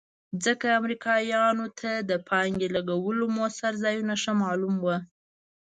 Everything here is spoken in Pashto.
ځکه امریکایانو ته د پانګې د لګولو مؤثر ځایونه ښه معلوم وو.